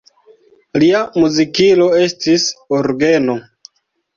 Lia muzikilo estis orgeno.